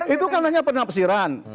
itu kan hanya penafsiran